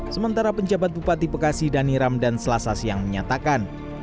sementara penjabat bupati bekasi dhani ramdan selasas yang menyatakan